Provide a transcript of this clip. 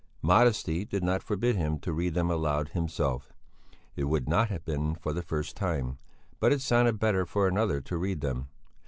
Modesty did not forbid him to read them aloud himself; it would not have been for the first time; but it sounded better for another to read them.